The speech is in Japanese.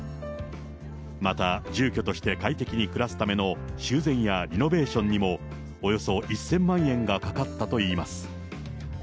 また住居として快適に暮らすための修繕やリノベーションにも、およそ１０００万円がかかったといいます。